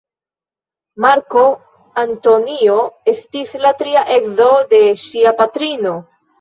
Marko Antonio estis la tria edzo de ŝia patrino.